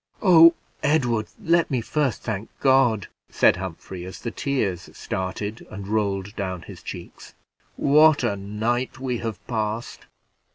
"Oh, Edward, let me first thank God!" said Humphrey, as the tears started and rolled down his cheeks. "What a night we have passed!